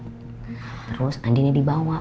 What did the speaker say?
terus andinnya dibawa